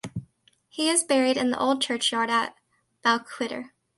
He is buried in the old churchyard at Balquhidder.